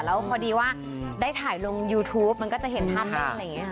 แล้วพอดีว่าได้ถ่ายลงยูทูปมันก็จะเห็นภาพเล่นอะไรอย่างนี้ค่ะ